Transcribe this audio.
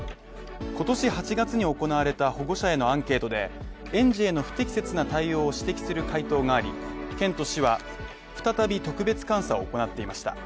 今年８月に行われた保護者へのアンケートで、園児への不適切な対応を指摘する回答があり、県と市は再び特別監査を行っていました。